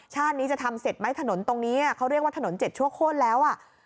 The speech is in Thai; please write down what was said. นี้จะทำเสร็จไหมถนนตรงนี้เขาเรียกว่าถนนเจ็ดชั่วโค้นแล้วอ่ะ